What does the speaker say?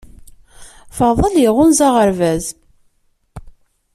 Faḍel yeɣɣunza aɣerbaz